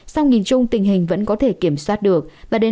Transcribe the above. sau nhìn chung tình hình vẫn có thể kiểm soát được